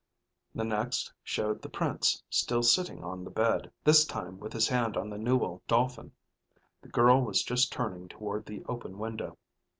The next showed the Prince still sitting on the bed, this time with his hand on the newel dolphin. The girl was just turning toward the open window.